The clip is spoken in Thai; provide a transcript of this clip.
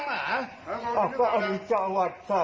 เป็นอยู่สามารถที